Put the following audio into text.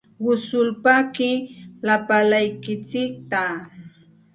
Yusulpaaqi lapalaykitsikta.